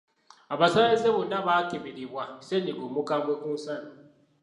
Abasaabaze bonna bakeberebwa ssenyiga omukambwe ku nsalo.